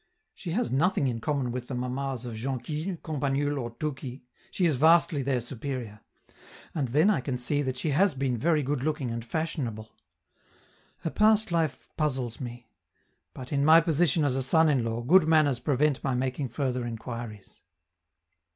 She has nothing in common with the mammas of Jonquille, Campanule, or Touki she is vastly their superior; and then I can see that she has been very good looking and fashionable. Her past life puzzles me; but, in my position as a son in law, good manners prevent my making further inquiries.